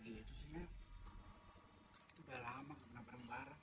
itu udah lama pernah bareng bareng